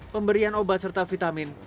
pemberian obat serta vitamin